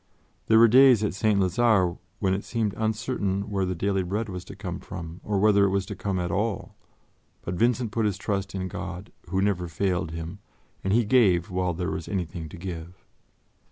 There were days at St. Lazare when it seemed uncertain where the daily bread was to come from, or whether it was to come at all; but Vincent put his trust in God, who never failed him, and he gave while there was anything to give.